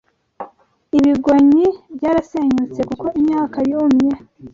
ibigonyi byarasenyutse kuko imyaka yumye